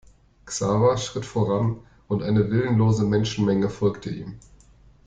Xaver schritt voran und eine willenlose Menschenmenge folgte ihm.